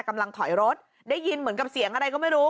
กำลังถอยรถได้ยินเหมือนกับเสียงอะไรก็ไม่รู้